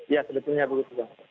iya sebetulnya begitu bang